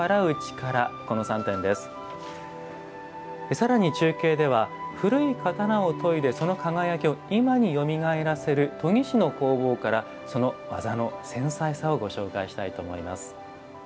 さらに中継では古い刀を研いで、その輝きを今によみがえらせる研ぎ師の工房からその技の繊細さをご紹介したいと思います。